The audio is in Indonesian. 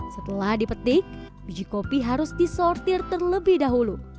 setelah dipetik biji kopi harus disortir terlebih dahulu